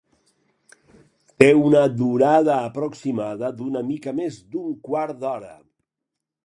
Té una durada aproximada d’una mica més d'un quart d'hora.